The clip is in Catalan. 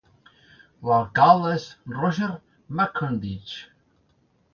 L'alcalde és Roger McCondiche.